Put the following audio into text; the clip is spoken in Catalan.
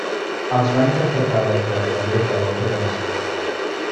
Els va interpretar des de l'exterior de l'Òpera de Sydney.